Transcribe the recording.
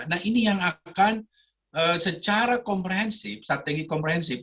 nah ini yang akan secara komprehensif strategi komprehensif